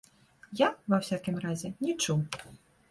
Я, ва ўсякім разе, не чуў.